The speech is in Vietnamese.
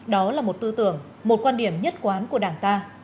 đó là một tư tưởng một quan điểm nhất quán của đảng ta